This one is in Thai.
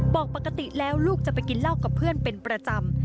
ปกติแล้วลูกจะไปกินเหล้ากับเพื่อนเป็นประจำ